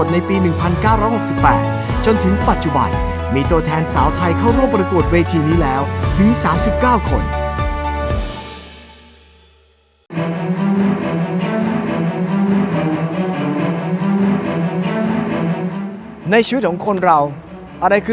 สนุนโดยสถาบันความงามโย